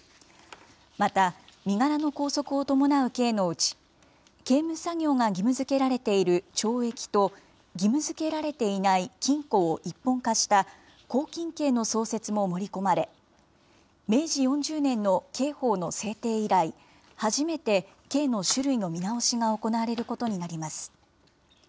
また、身柄の拘束を伴う刑のうち、刑務作業が義務づけられている懲役と、義務づけられていない禁錮を一本化した、拘禁刑の創設も盛り込まれ、明治４０年の刑法の制定以来、初めて刑の種類の見直しが行われることになります。